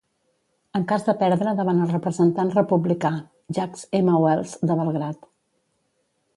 En cas de perdre davant el representant republicà, Jack M. Wells de Belgrad.